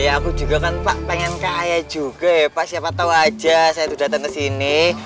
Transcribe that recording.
ya aku juga kan pak pengen kaya juga ya pak siapa tahu aja saya itu datang ke sini